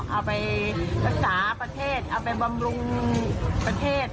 เอาไปรักษาประเทศเอาไปบำรุงประเทศ